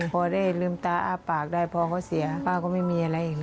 พอได้ลืมตาอ้าปากได้พอเขาเสียป้าก็ไม่มีอะไรอีก